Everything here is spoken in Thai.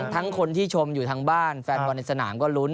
ทั้งคนที่ชมอยู่ทางบ้านแฟนบอลในสนามก็ลุ้น